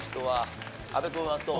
阿部君はどう？